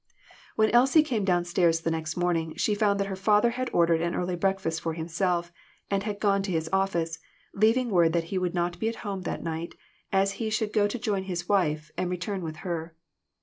When Elsie came down stairs the next morn ing she found that her father had ordered an early breakfast for himself, and had gone to his office, leaving word that he would not be at home that night, as he should go to join his wife, and return with her.